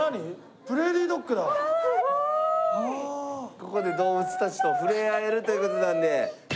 ここで動物たちと触れ合えるという事なので。